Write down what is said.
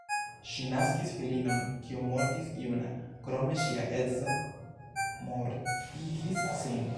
Ŝi naskis filinon, kiu mortis juna, krome ŝia edzo mortigis sin.